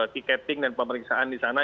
tiketing dan pemeriksaan disana